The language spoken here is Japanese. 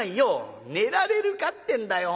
「寝られるかってんだよ